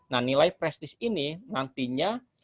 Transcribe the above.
nah nilai prestis ini nantinya